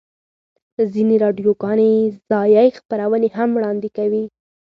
ځینې راډیوګانې ځایی خپرونې هم وړاندې کوي